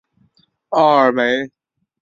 奥尔梅。